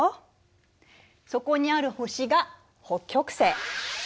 そこにある星が北極星。